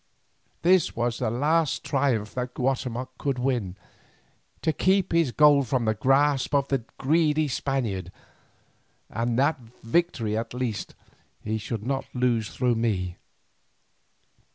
This was the last triumph that Guatemoc could win, to keep his gold from the grasp of the greedy Spaniard, and that victory at least he should not lose through me.